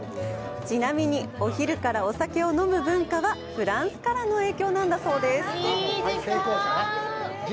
ちなみに、お昼からお酒を飲む文化はフランスからの影響なんだそうです。